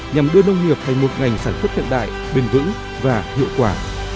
nhằm đưa nông nghiệp thành một ngành sản xuất hiện đại bền vững và hiệu quả